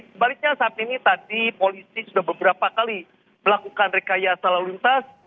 sebaliknya saat ini tadi polisi sudah beberapa kali melakukan rekayasa lalu lintas